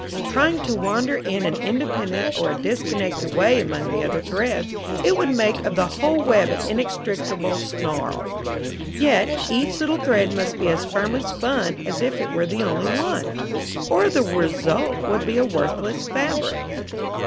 Trying to wander in an independent or a disconnected way among the other threads, it would make of the whole web an inextricable snarl. Yet each little thread must be as firmly spun as if it were the only one, or the result would be a worthless fabric.